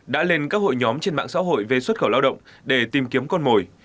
đã lên các hội nhóm trên mạng xã hội về xuất khẩu lao động để tìm kiếm con mồi